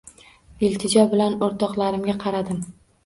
Iltijo bilan o‘rtoqlarimga qaradim.